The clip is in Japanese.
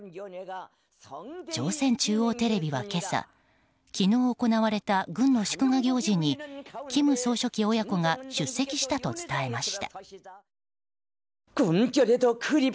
朝鮮中央テレビは今朝昨日行われた軍の祝賀行事に金総書記親子が出席したと伝えました。